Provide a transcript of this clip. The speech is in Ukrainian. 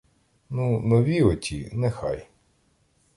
Ну, нові оті — нехай.